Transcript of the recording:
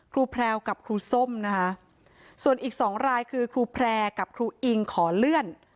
แพรวกับครูส้มนะคะส่วนอีกสองรายคือครูแพร่กับครูอิงขอเลื่อน